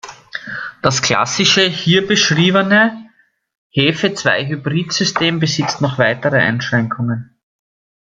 Das klassische, hier beschriebene Hefe-Zwei-Hybrid-System besitzt noch weitere Einschränkungen.